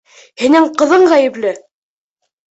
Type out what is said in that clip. Һинең ҡыҙың ғәйепле!